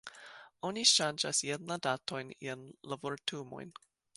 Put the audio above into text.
Oni ŝanĝas jen la datojn, jen la vortumojn.